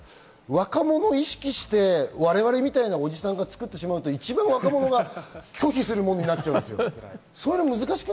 若者を意識して我々みたいなおじさんが作ってしまうと、一番若者が拒否することになってしまいます。